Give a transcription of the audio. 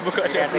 buka aja dulu